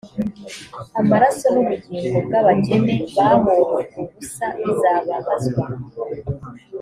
amaraso nubugingo bw abakene bahowe ubusa bizababazwa